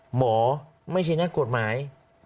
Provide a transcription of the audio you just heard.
หมอไม่ใช่นักกฎหมาย